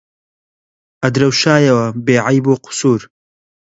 ئەدرەوشایەوە بێعەیب و قوسوور